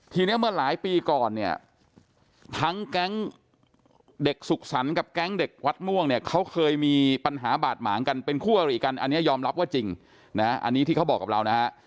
ทีนี้เมื่อหลายปีก่อนเนี่ยทั้งแก๊งเด็กสุขสรรค์กับแก๊งเด็กวัดม่วงเนี่ยเขาเคยมีปัญหาบาดหมางกันเป็นคู่อริกันอันนี้ยอมรับว่าจริงนะอันนี้ที่เขาบอกกับเรานะฮะ